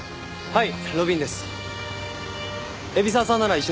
はい！